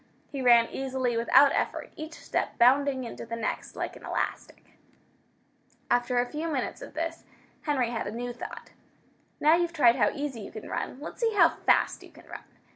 He ran easily, without effort, each step bounding into the next like an elastic. After a few minutes of this, Henry had a new thought. "Now you've tried how easy you can run, let's see how fast you can run!"